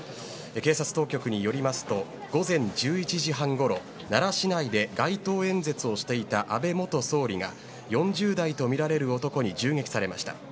警察当局によりますと午前１１時半ごろ奈良市内で街頭演説をしていた安倍元総理が４０代とみられる男に銃撃されました。